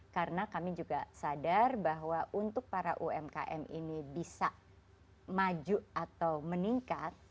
karena kami juga sadar bahwa untuk para umkm ini bisa maju atau meningkat